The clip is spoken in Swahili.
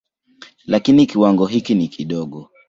Lakini kiwango hiki ni kidogo.